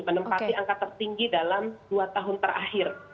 menempati angka tertinggi dalam dua tahun terakhir